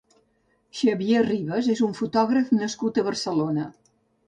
Xavier Ribas és un fotògraf nascut a Barcelona.